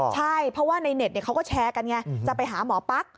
ใช่เพราะว่าในเน็ตเขาก็แชร์กันไงจะไปหาหมอปั๊ก